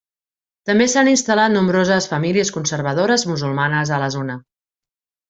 També s'han instal·lat nombroses famílies conservadores musulmanes a la zona.